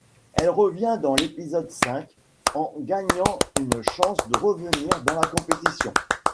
Elle revient dans l'épisode cinq en gagnant une chance de revenir dans la compétition.